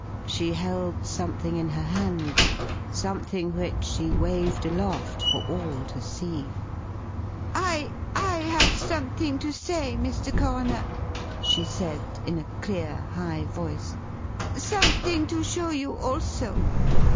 She held something in her hand, something which she waved aloft for all to see. "I ... I have something to say, Mr. Coroner," she said in a clear, high voice. "Something to show you, also.